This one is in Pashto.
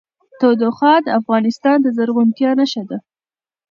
تودوخه د افغانستان د زرغونتیا نښه ده.